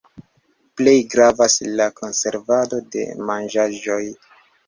Plej gravas la konservado de manĝaĵoj.